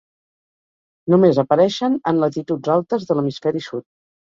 Només apareixen en latituds altes de l'hemisferi sud.